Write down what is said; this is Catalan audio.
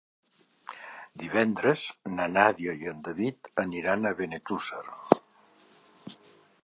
Divendres na Nàdia i en David aniran a Benetússer.